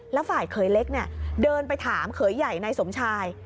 แล้วฝ่ายเขยเล็กเนี่ยเดินไปถามเขยใหญ่นายสมชาย